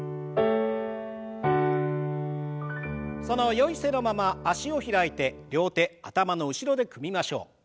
そのよい姿勢のまま脚を開いて両手頭の後ろで組みましょう。